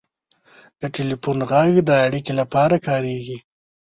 • د ټلیفون ږغ د اړیکې لپاره کارېږي.